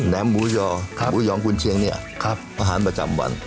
หมูยอหมูยองกุญเชียงเนี่ยอาหารประจำวัน